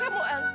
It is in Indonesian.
kamu sudah ingat